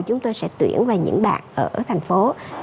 chúng tôi sẽ tuyển vào những bạn ở thành phố